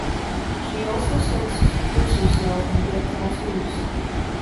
She also starts to pierce herself and get tattoos.